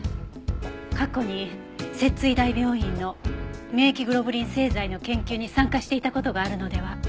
過去に摂津医大病院の免疫グロブリン製剤の研究に参加していた事があるのでは？